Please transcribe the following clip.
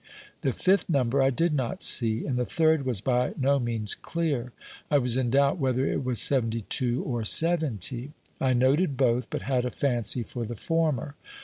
The fifth number I did not see, and the third was by no means clear; I was in doubt whether it was 72 or 70. I noted both, but had a fancy for the former.